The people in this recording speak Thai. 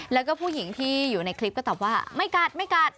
แล้วก็ผู้หญิงที่อยู่ในคลิปก็ตอบว่าไม่กัดไม่กัด